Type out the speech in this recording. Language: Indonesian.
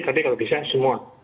tapi kalau bisa semua